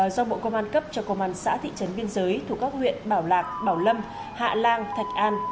do bộ công an cấp cho công an xã thị trấn biên giới thuộc các huyện bảo lạc bảo lâm hạ lan thạch an